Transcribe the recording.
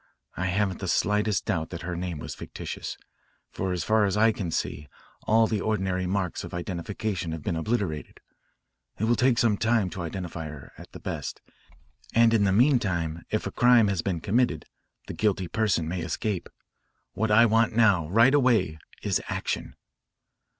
I haven't the slightest doubt that her name was fictitious, for as far as I can see all the ordinary marks of identification have been obliterated. It will take time to identify her at the best, and in the meantime, if a crime has been committed, the guilty person may escape. What I want now, right away, is action."